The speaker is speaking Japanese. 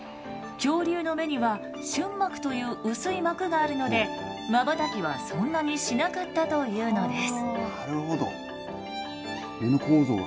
恐竜の目には瞬膜という薄い膜があるのでまばたきはそんなにしなかったというのです。